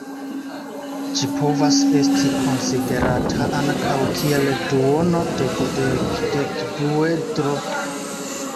Ĝi povas esti konsiderata ankaŭ kiel duono de dudek-dekduedro.